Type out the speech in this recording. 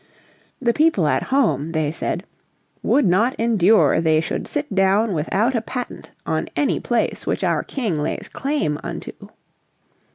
The people at home, they said, "would not endure they should sit down without a patent on any place which our King lays claim unto."